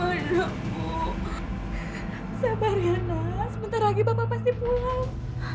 aduh bu sabar riana sebentar lagi bapak pasti pulang